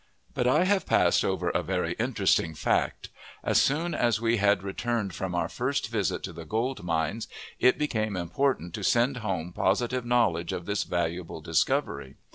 But I have passed over a very interesting fact. As soon as we had returned from our first visit to the gold mines, it became important to send home positive knowledge of this valuable discovery.